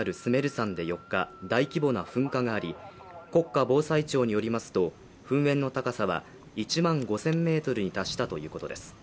山で４日、大規模な噴火があり、国家防災庁によりますと噴煙の高さは１万５０００ｍに達したということです。